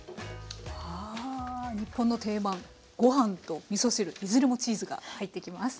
あ日本の定番ご飯とみそ汁いずれもチーズが入ってきます。